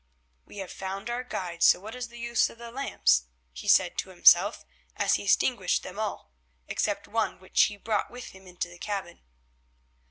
"We have found our guide, so what is the use of the lamps?" he said to himself as he extinguished them all, except one which he brought with him into the cabin.